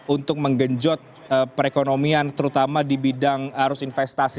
untuk menggenjot perekonomian terutama di bidang arus investasi